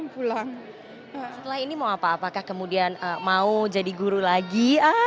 setelah ini mau apa apakah kemudian mau jadi guru lagi